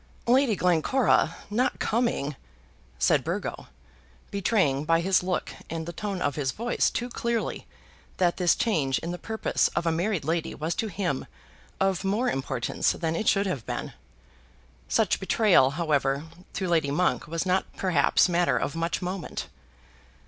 "Lady Glencora not coming!" said Burgo, betraying by his look and the tone of his voice too clearly that this change in the purpose of a married lady was to him of more importance than it should have been. Such betrayal, however, to Lady Monk was not perhaps matter of much moment.